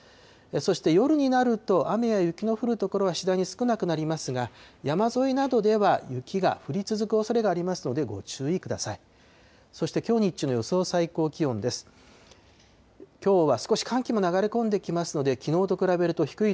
そして夜になると、雨や雪の降る所は次第に少なくなりますが、山沿いなどでは雪が降り続くおそれがありますのでご注意ください。